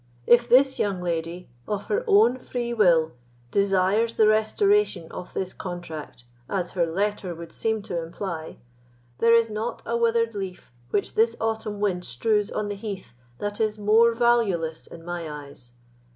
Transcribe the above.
If this young lady, of her own free will, desires the restoration of this contract, as her letter would seem to imply, there is not a withered leaf which this autumn wind strews on the heath that is more valueless in my eyes.